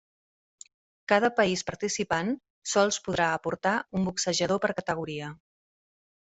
Cada país participant sols podrà aportar un boxejador per categoria.